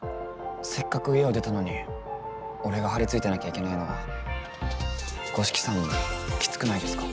せっかく家を出たのに俺が張り付いてなきゃいけないのは五色さんもきつくないですか？